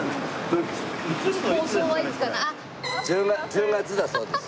１０月だそうです。